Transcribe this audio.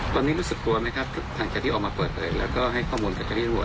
ตอนนี้รู้สึกกลัวไหมครับทางกะทิออกมาเปิดไปแล้วก็ให้ข้อมูลกับกะทิรวด